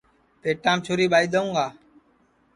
پیٹام چُھری ٻائی دؔیوں گا